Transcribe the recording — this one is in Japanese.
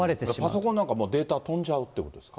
パソコンなんかもデータ飛んじゃうっていうことですか？